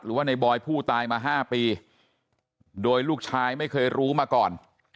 หรือว่าในบอยผู้ตายมา๕ปีโดยลูกชายไม่เคยรู้มาก่อน